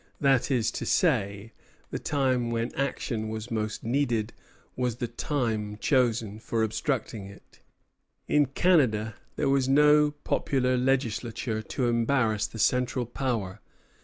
That is to say, the time when action was most needed was the time chosen for obstructing it. In Canada there was no popular legislature to embarrass the central power.